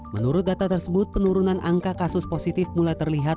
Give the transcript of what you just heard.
menurut data tersebut penurunan angka kasus positif mulai terlihat